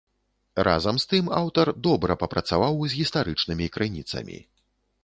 Разам з тым, аўтар добра папрацаваў з гістарычнымі крыніцамі.